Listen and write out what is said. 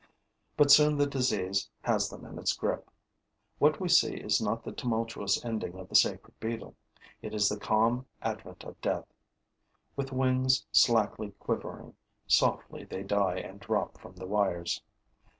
But soon the disease has them in its grip. What we see is not the tumultuous ending of the sacred beetle; it is the calm advent of death. With wings slackly quivering, softly they die and drop from the wires.